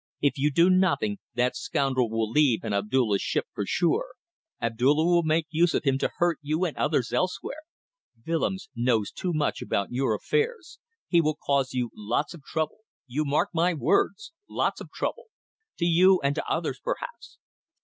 If you do nothing, that scoundrel will leave in Abdulla's ship for sure. Abdulla will make use of him to hurt you and others elsewhere. Willems knows too much about your affairs. He will cause you lots of trouble. You mark my words. Lots of trouble. To you and to others perhaps.